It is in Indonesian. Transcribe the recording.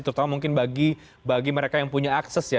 terutama mungkin bagi mereka yang punya akses ya